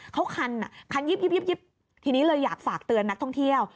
เขาคันอ่ะคันยิบทีนี้เลยอยากฝากเตือนนักท่องเที่ยว